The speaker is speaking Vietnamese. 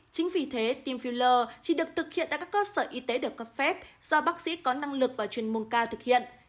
chính vì thế tim filler chỉ được thực hiện tại các cơ sở y tế được cấp phép do bác sĩ có năng lực và chuyên môn cao thực hiện